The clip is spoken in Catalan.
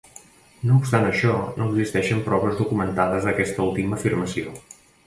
No obstant això, no existeixen proves documentades d'aquesta última afirmació.